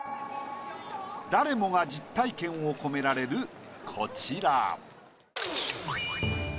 誰もが実体験を込められるこちら。